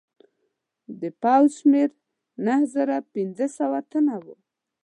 د پوځ شمېر نهه زره پنځه سوه تنه وو.